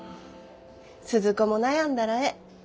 鈴子も悩んだらええ。